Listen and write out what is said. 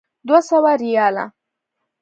دوه سوه ریاله.